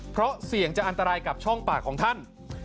เพราะเสี่ยงจะอันตรายกับช่องปากของท่าน